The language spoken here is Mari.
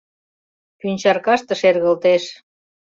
Пӱнчаркаште шергылтеш.